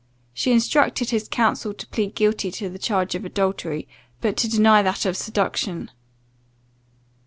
She instructed his counsel to plead guilty to the charge of adultery; but to deny that of seduction.